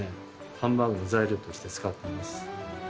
ハンバーグの材料として使っています。